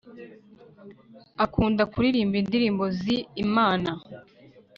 akunda kuririmba indirimbo zi Imana